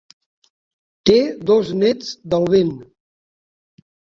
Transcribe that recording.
Té dos nets del Ben.